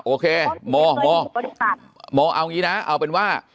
โอเคโมโมโมเอางี้นะเอาเป็นว่า